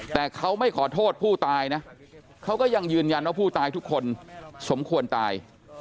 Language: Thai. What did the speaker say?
แต่เขาไม่ขอโทษผู้ตายนะเขาก็ยังยืนยันว่าผู้ตายทุกคนสมควรตาย